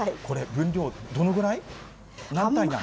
これ、分量、どのぐらい？